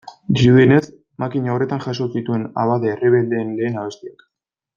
Dirudienez, makina horretan jaso zituen abade errebeldeen lehen abestiak.